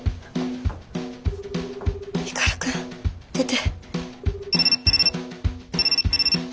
光くん出て。